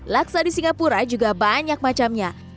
laksa di singapura juga banyak macamnya